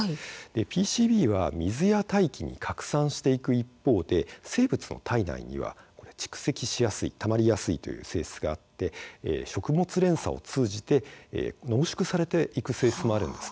ＰＣＢは水や大気に拡散していく一方で生物の体内には蓄積しやすいたまりやすいという性質があって食物連鎖を通じて濃縮されていく性質もあるんです。